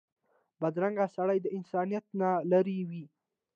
بدرنګه سړی د انسانیت نه لرې وي